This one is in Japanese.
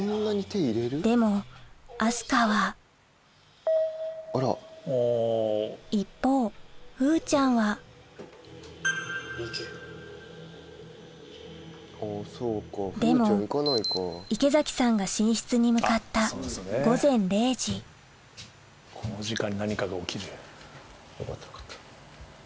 でも明日香は一方風ちゃんはでも池崎さんが寝室に向かったこの時間に何かが起きる。